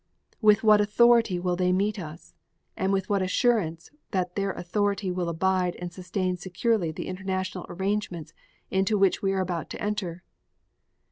With what authority will they meet us, and with what assurance that their authority will abide and sustain securely the international arrangements into which we are about to enter?